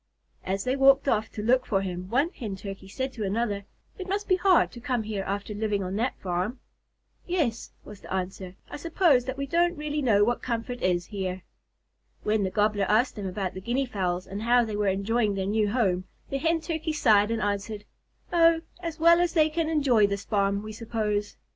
As they walked off to look for him, one Hen Turkey said to another, "It must be hard to come here after living on that farm." "Yes," was the answer, "I suppose that we don't really know what comfort is here." When the Gobbler asked them about the Guinea Fowls, and how they were enjoying their new home, the Hen Turkeys sighed and answered, "Oh, as well as they can enjoy this farm, we suppose."